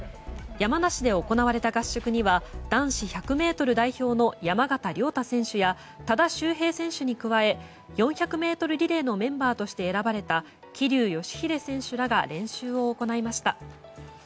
山梨で行われた合宿には男子１００ｍ代表の山縣亮太選手や多田修平選手に加え４００ｍリレーのメンバーとして選ばれた桐生祥秀選手らが練習を行いました。